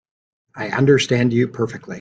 I understand you perfectly.